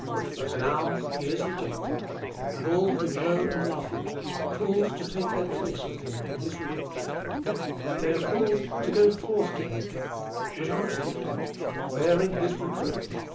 But now, he is rejected, and all who know and love him are called to take their place with him in his rejection; they are called to "go forth to him without the camp bearing his reproach."